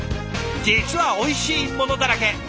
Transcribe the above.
実はおいしいものだらけ！